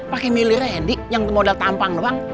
pake milih randy yang modal tampang doang